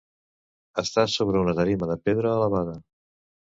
Està sobre una tarima de pedra elevada.